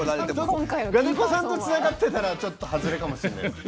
我如古さんとつながってたらちょっとハズレかもしれないです。